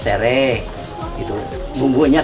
karena itu lebih enak